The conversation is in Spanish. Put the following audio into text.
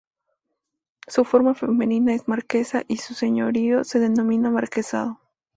Su forma femenina es marquesa y su señorío se denomina marquesado.